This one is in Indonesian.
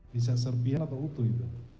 bisa serpihan atau utuh juga